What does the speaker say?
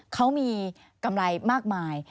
เขามีกำไรมากมาย